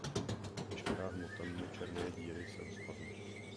Veškerá hmota mimo černé díry se rozpadne.